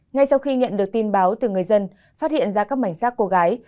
ngay sau khi nhận được tin báo từ người dân phát hiện ra các mảnh sát cô gái